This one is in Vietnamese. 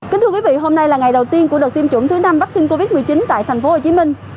kính thưa quý vị hôm nay là ngày đầu tiên của đợt tiêm chủng thứ năm vaccine covid một mươi chín tại thành phố hồ chí minh